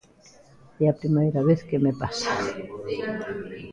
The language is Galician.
É a primeira vez que me pasa.